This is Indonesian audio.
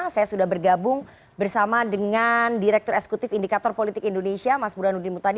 saya sudah bergabung bersama dengan direktur eksekutif indikator politik indonesia mas burhanuddin mutadi